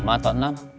lima atau enam